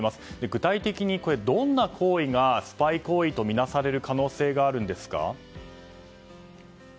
具体的にどんな行為がスパイ行為とみなされる可能性があるんですか。